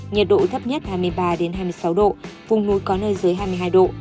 nhiệt độ thấp nhất hai mươi ba hai mươi sáu độ vùng núi có nơi dưới hai mươi hai độ